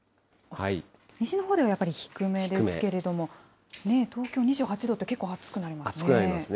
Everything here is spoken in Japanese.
西のほうではやっぱり低めですけれども、東京２８度って、結暑くなりますね。